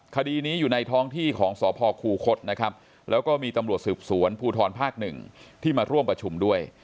คดีนี้อยู่ในท้องที่ของสพคูคศนะครับแล้วก็มีตำรวจสืบสวนภูทรภาคหนึ่งที่มาร่วมประชุมด้วย